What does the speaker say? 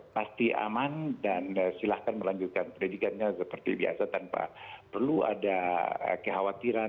pasti aman dan silahkan melanjutkan pendidikannya seperti biasa tanpa perlu ada kekhawatiran